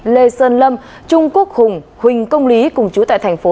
lê sơn lâm trung quốc hùng huỳnh công lý cùng chú tại thành phố